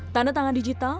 tanda tangan digital